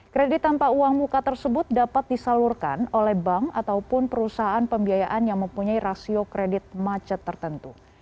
kredit tanpa uang muka tersebut dapat disalurkan oleh bank ataupun perusahaan pembiayaan yang mempunyai rasio kredit macet tertentu